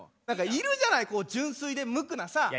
何かいるじゃないこう純粋で無垢なさ。